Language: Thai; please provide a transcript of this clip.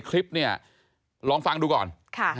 ก็ไม่รู้ว่าฟ้าจะระแวงพอพานหรือเปล่า